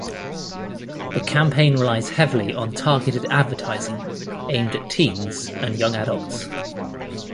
The campaign relies heavily on targeted advertising aimed at teens and young adults.